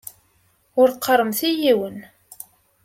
Ur qqaremt i yiwen!